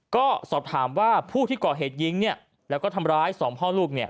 ก็สอบถามว่าผู้ที่ก่อเหตุยิงแล้วก็ทำร้ายสองพ่อลูก